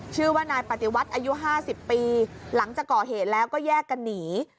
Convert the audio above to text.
ชื่อว่านายปฏิวัติอายุ๕๐ปีหลังจากก่อเหตุแล้วก็แยกกันหนี